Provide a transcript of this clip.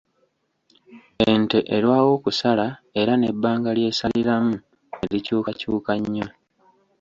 Ente erwawo okusala era n’ebbanga ly’esaliramu ne likyukakyuka nnyo.